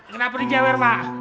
kenapa dijawar mak